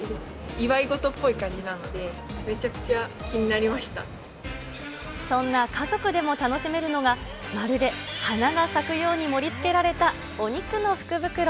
祝いごとっぽい感じなので、そんな家族でも楽しめるのが、まるではなが咲くように盛り付けられたお肉の福袋。